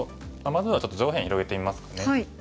まずはちょっと上辺広げてみますかね。